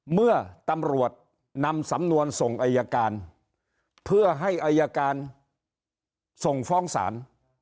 เมื่อตำรวจนำสำนวนส่งอายการเพื่อให้อายการส่งฟ้องศาล